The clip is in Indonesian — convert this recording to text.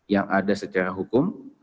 yang ada secara hukum